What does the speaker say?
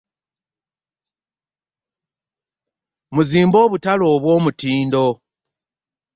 Muzimbe obutale obw'omutindo.